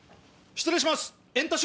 失礼します！